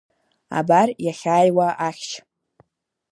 Абар иахьааиуа ахьшь.